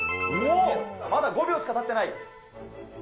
まだ５秒しかたってない。